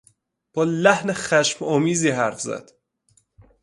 با لحن خشم آمیزی حرف زد.